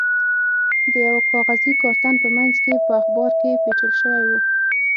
د یوه کاغذي کارتن په منځ کې په اخبار کې پېچل شوی و.